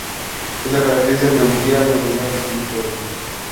Esta característica permitía la movilidad del usuario.